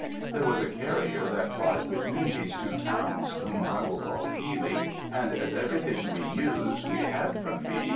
There was a carrier that plied between these two towns, whom I will call Healy, and as everything we used we had from B.